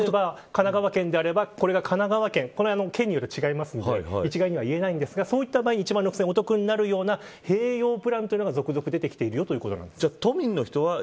例えばこれが神奈川県であれば県によって違うので一概には言えないんですがそういった場合に１万６０００円お得になるような併用プランが続々出てきているということです。